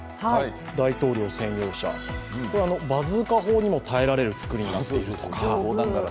大統領専用車、バズーカ砲にも耐えられる造りになっていると。